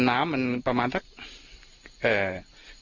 น้ำมันประมาณทั้ง